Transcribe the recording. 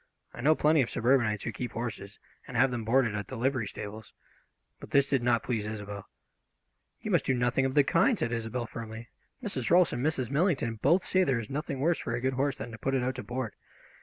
I know plenty of suburbanites who keep horses and have them boarded at the livery stables. But this did not please Isobel. "You must do nothing of the kind!" said Isobel firmly. "Mrs. Rolfs and Mrs. Millington both say there is nothing worse for a good horse than to put it out to board.